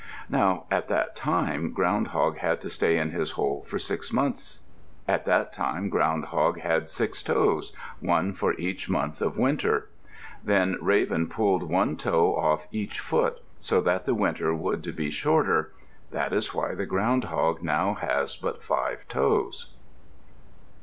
Now at that time, Ground hog had to stay in his hole for six months; at that time, Ground hog had six toes, one for each month of winter. Then Raven pulled one toe off each foot, so that the winter would be shorter. That is why the Ground hog now has but five toes.